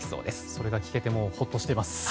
それが聞けてほっとしてます。